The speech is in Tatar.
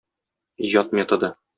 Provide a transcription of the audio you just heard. Иҗат методы.